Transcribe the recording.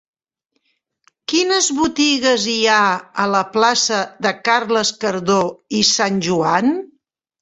Quines botigues hi ha a la plaça de Carles Cardó i Sanjoan?